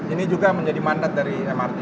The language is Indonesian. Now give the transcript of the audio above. ini juga menjadi mandat dari mrt